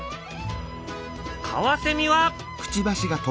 カワセミは。